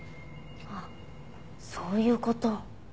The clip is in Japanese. あっそういう事。